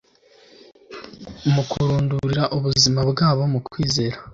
Mu kurundurira ubuzima bwabo mu kwizera,